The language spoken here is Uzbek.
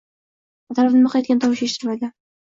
Atrofda miq etgan tovush eshitilmaydi